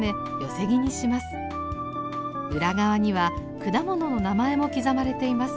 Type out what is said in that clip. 裏側には果物の名前も刻まれています。